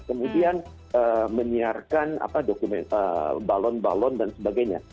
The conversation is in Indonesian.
kemudian menyiarkan dokumen balon balon dan sebagainya